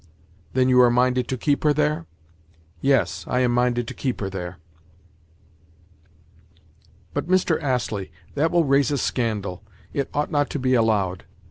"Then you are minded to keep her there?" "Yes, I am minded to keep her there." "But, Mr. Astley, that will raise a scandal. It ought not to be allowed.